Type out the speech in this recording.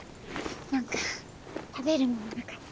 何か食べるものなかったかな。